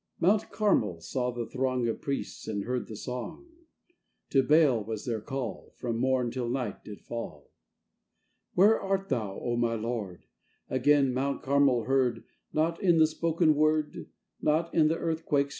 Mount Carmel saw the throngOf priests and heard the song; To Baal was their call—From morn till night did fall. Where art Thou, O my Lord? Again Mount Carmel heardNot in the spoken word, Not in the earthquake's shock, Not in the rending rock.